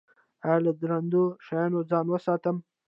ایا له درندو شیانو ځان وساتم؟